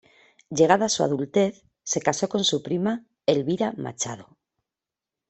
Llegada su adultez, se casó con su prima Elvira Machado.